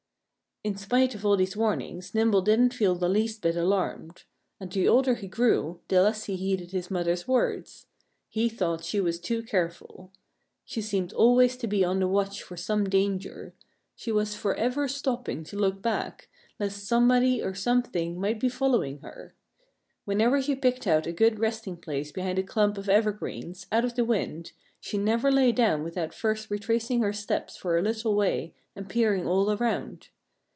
In spite of all these warnings Nimble didn't feel the least bit alarmed. And the older he grew the less he heeded his mother's words. He thought she was too careful. She seemed always to be on the watch for some danger. She was forever stopping to look back, lest somebody or something might be following her. Whenever she picked out a good resting place behind a clump of evergreens, out of the wind, she never lay down without first retracing her steps for a little way and peering all around.